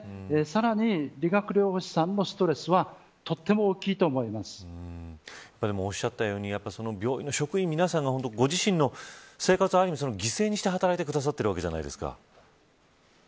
さらに、理学療法士さんもストレスはおっしゃったように病院の職員皆さんがご自身の生活を犠牲にして働いてくださっているじゃないですか。